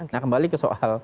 nah kembali ke soal